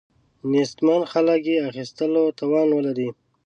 نیستمن خلک یې اخیستلو توان ولري.